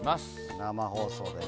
生放送でね。